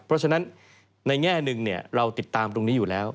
เพราะฉะนั้นในแง่หนึ่งเราติดตามตรงนี้อยู่แล้ว